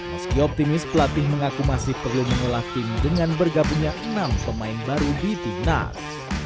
meski optimis pelatih mengaku masih perlu mengolah tim dengan bergabungnya enam pemain baru di timnas